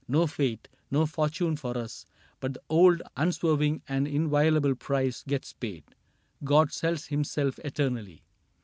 No fate, no fortune for us, but the old Unswerving and inviolable price Gets paid : God sells himself eternally.